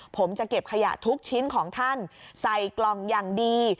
ผมจะเก็บขยะทุกชิ้นของท่านใส่กล่องอย่างดี